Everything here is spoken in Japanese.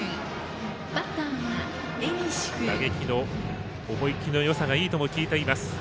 打撃の思い切りのよさがいいとも聞いています。